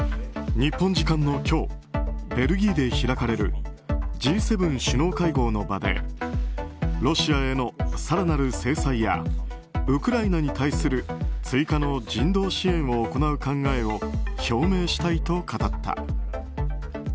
日本時間の今日ベルギーで開かれるＧ７首脳会合の場でロシアへの更なる制裁やウクライナに対する追加の人道支援を行う考えを表明したいと語った。